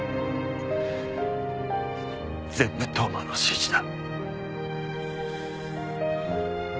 全部当麻の指示だ。